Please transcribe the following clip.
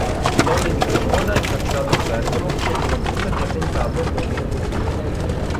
Nolli di Cremona, incarcerato a Bergamo sotto l'accusa di attentato all'ordine pubblico.